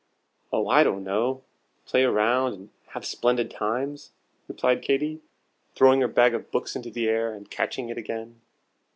"Oh, I don't know; play round and have splendid times," replied Katy, throwing her bag of books into the air, and catching it again.